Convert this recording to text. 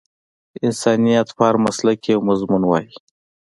انسانيت په هر مسلک کې یو مضمون وای